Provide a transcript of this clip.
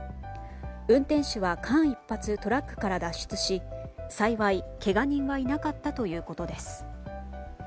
運転手は間一髪でトラックから脱出し幸い、けが人はいなかったということです。